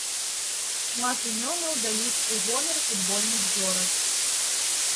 Шмат імёнаў даюць у гонар футбольных зорак.